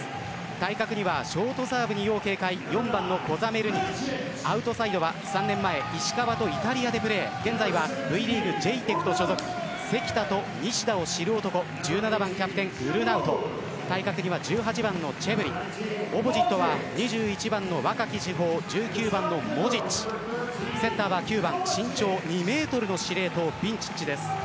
対角にはショートサーブに要警戒４番のコザメルニクアウトサイドは３年前、石川とイタリアでプレー現在はＶリーグ所属関田と西田を知る男１７番キャプテン、ウルナウト対角には１８番のチェブリオポジットは２１番の若き主砲１９番のモジッチセッターは９番身長２メートルの司令塔のビンチッチです。